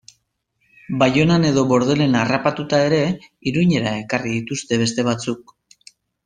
Baionan edo Bordelen harrapatuta ere Irunera ekarri dituzte beste batzuk...